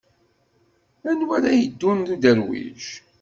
D anwa ara yeddun d uderwic?